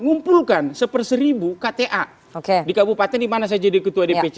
ngumpulkan seper seribu kta di kabupaten di mana saya jadi ketua dpc